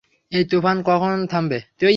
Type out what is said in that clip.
এই তুফান কখন থামবে?